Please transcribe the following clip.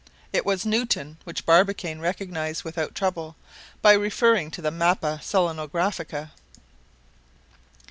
It was Newton, which Barbicane recognized without trouble, by referring to the Mappa Selenographica.